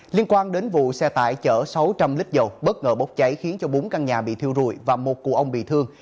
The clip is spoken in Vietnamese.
liên quan đến vụ xe tải chở sáu trăm linh lít dầu bất ngờ bốc cháy khiến cho bốn căn nhà bị thiêu rụi và một cụ ông bị thương